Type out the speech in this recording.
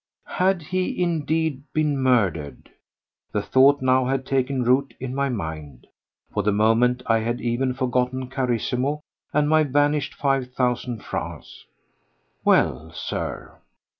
Had he indeed been murdered? The thought now had taken root in my mind. For the moment I had even forgotten Carissimo and my vanished five thousand francs. Well, Sir!